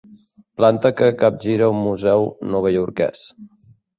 Planta que capgira un museu novaiorquès.